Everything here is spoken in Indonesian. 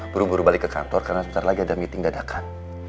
buru buru balik ke kantor karena sebentar lagi ada meeting dadakan